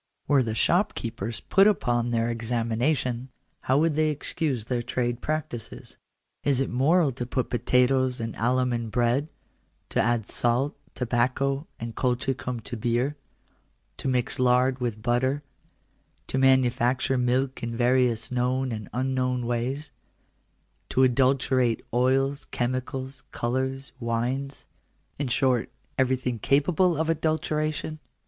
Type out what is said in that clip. Were the shopkeepers put upon their examination, how would they excuse their trade practices ? Is it moral to put potatoes and alum in bread ; to add salt, tobacco, and colchi cum to beer; to mix lard with butter; to manufacture milk in various known and unknown ways ; to adulterate oils, chemicals, colours, wines — in short, everything capable of adulteration